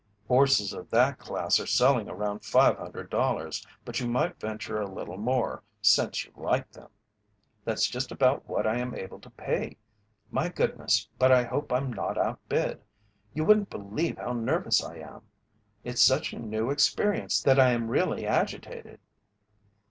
"Horses of that class are selling around $500, but you might venture a little more, since you like them." "That's just about what I am able to pay. My goodness, but I hope I'm not outbid! You wouldn't believe how nervous I am. It's such a new experience that I am really agitated."